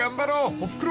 ［おふくろ